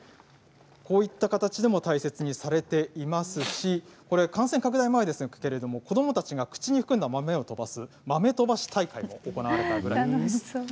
こういった形でも大切にされていますし感染拡大前ですけれども子どもたちが口に含んだ豆を飛ばす豆飛ばし大会というのも行われていました。